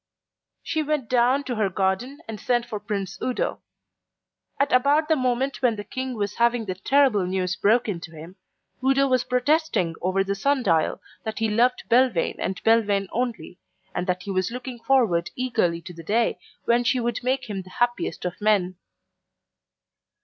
She went down to her garden and sent for Prince Udo. At about the moment when the King was having the terrible news broken to him, Udo was protesting over the sundial that he loved Belvane and Belvane only, and that he was looking forward eagerly to the day when she would make him the happiest of men.